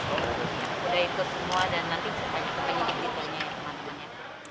udah ikut semua dan nanti supaya penyelidik ditanya ke teman temannya